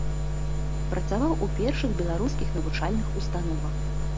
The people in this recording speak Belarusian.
Працаваў у першых беларускіх навучальных установах.